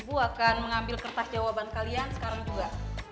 ibu akan mengambil kertas jawaban kalian sekarang juga